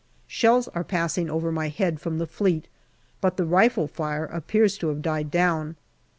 Shells are passing over my head from the Fleet, but the rifle fire appears to have died down.